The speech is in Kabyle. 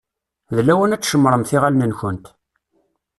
D lawan ad tcemmṛemt iɣallen-nkent.